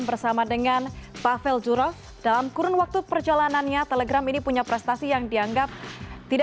kemenkominfo juga akan menjelaskan telegram di jawa tenggara